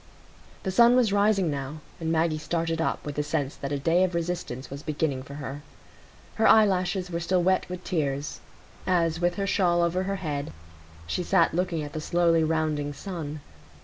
The sun was rising now, and Maggie started up with the sense that a day of resistance was beginning for her. Her eyelashes were still wet with tears, as, with her shawl over her head, she sat looking at the slowly rounding sun.